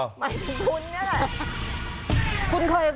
หมายถึงคุณเนี่ย